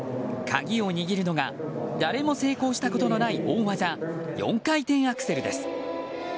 鍵を握るのが誰も成功したことのない大技４回転アクセルです。